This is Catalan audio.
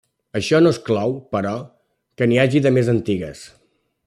Això no exclou, però, que n'hi hagi de més antigues.